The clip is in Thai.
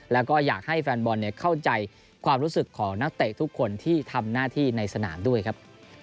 แล้วก็อยากให้แฟนบอลเข้าใจความรู้สึกของนักเตะทุกคนที่ทำหน้าที่ในสนามด้วยครับ